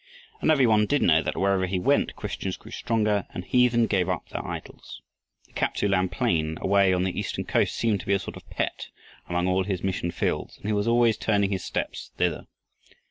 But every one did know that wherever he went, Christians grew stronger and heathen gave up their idols. The Kap tsu lan plain, away on the eastern coast, seemed to be a sort of pet among all his mission fields, and he was always turning his steps thither.